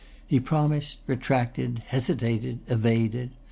He promised, retracted, hesitated, evaded.